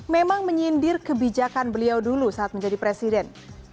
memang menyindir kebijakan beliau dulu saat menjadi presiden